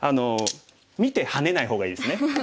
見てハネない方がいいですね。